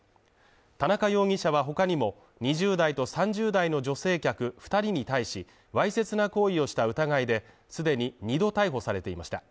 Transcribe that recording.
田中容疑者は他にも２０代と３０代の女性客２人に対し、わいせつな行為をした疑いで既に２度逮捕されていました。